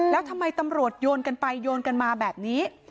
แล้วทำไมตำรวจโยนกันไปโยนกันมาแบบนี้